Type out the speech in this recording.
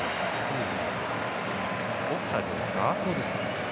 オフサイドですか。